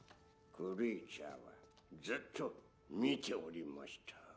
クリーチャーはずっと見ておりました